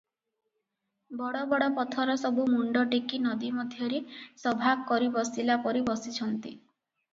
ବଡ଼ ବଡ଼ ପଥର ସବୁ ମୁଣ୍ଡ ଟେକି ନଦୀମଧ୍ୟରେ ସଭା କରି ବସିଲା ପରି ବସିଛନ୍ତି ।